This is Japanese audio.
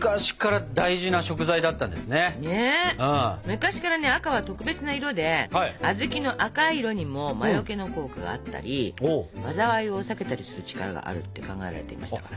昔からね「赤」は特別な色で小豆の赤い色にも魔よけの効果があったり災いを避けたりする力があるって考えられていましたからね。